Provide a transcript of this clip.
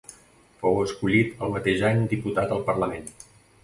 Fou escollit el mateix any diputat al parlament.